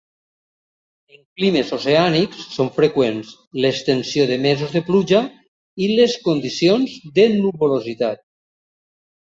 En climes oceànics són freqüents l'extensió de mesos de pluja i les condicions de nuvolositat.